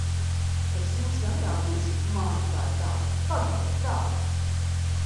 Es jums gan rādīšu! Mānītāji tādi! Pagāni tādi!